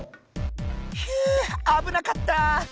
ひあぶなかった！